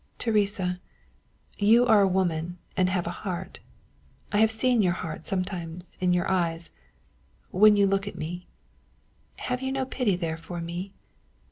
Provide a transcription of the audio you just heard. "Teresa you are a woman and have a heart. I have seen your heart sometimes in your eyes, when you look at me. Have you no pity there for me?